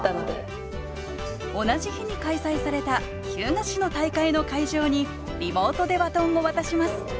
同じ日に開催された日向市の大会の会場にリモートでバトンを渡します